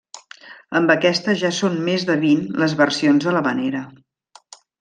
Amb aquesta ja són més de vint les versions de l'havanera.